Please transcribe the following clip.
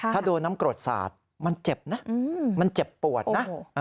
ถ้าโดนน้ำกรดสาดมันเจ็บนะมันเจ็บปวดนะ